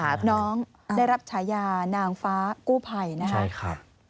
ใช่ค่ะน้องได้รับชายานางฟ้ากู้ภัยนะครับใช่ค่ะ